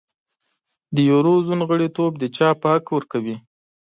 د یورو زون غړیتوب د چاپ حق ورکوي.